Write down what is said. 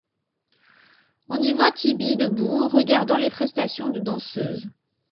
On y voit Ibi debout, regardant les prestations de danseuses.